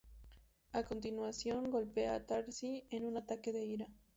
A continuación, golpea a Tracy en un ataque de ira.